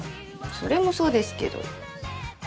それはそうですけど。